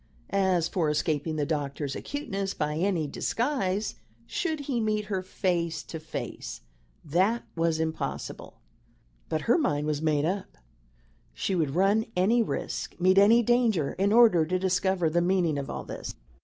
As for escaping the doctor's acuteness by any disguise should he meet her face to face, that was impossible. But her mind was made up she would run any risk, meet any danger, in order to discover the meaning of all this.